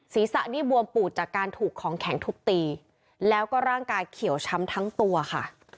ศีรษะนี่บวมปูดจากการถูกของแข็งทุบตีแล้วก็ร่างกายเขียวช้ำทั้งตัวค่ะ